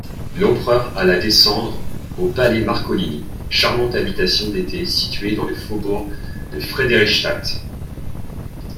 L'empereur alla descendre au palais Marcolini, charmante habitation d'été située dans le faubourg de Frédérichstadt.